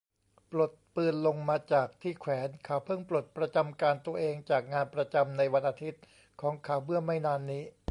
ปลดปืนลงมาจากที่แขวน เขาเพิ่งปลดประจำการตัวเองจากงานประจำในวันอาทิตย์ของเขาเมื่อไม่นานนี้